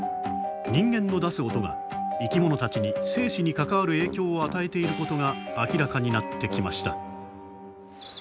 ニンゲンの出す音が生き物たちに生死に関わる影響を与えていることが明らかになってきました。